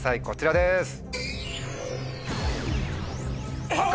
こちらです。